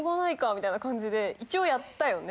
みたいな感じで一応やったよね。